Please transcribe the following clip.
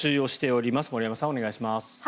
お願いします。